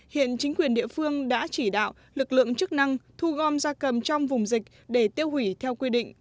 hiện chính quyền địa phương đã chỉ đạo lực lượng chức năng thu gom da cầm trong vùng dịch để tiêu hủy theo quy định